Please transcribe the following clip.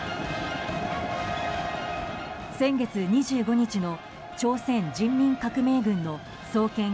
先月２５日の朝鮮人民革命軍の創建